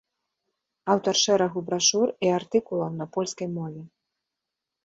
Аўтар шэрагу брашур і артыкулаў на польскай мове.